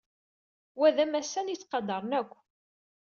Wa d amassan ay ttqadaren akk.